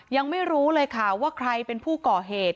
ยังไม่รู้เลยค่ะว่าใครเป็นผู้ก่อเหตุ